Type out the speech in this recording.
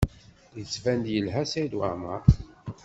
Yettban-d yelha Saɛid Waɛmaṛ.